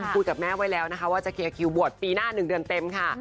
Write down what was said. กับแม่ไว้แล้วนะคะว่าจะเคลียร์คิวบวชปีหน้า๑เดือนเต็มค่ะ